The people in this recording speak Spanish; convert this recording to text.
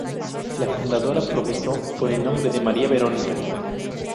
La fundadora profesó con el nombre de María Verónica.